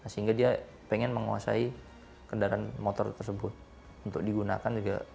sehingga dia ingin menguasai kendaraan motor tersebut untuk digunakan